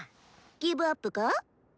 ギブアップか？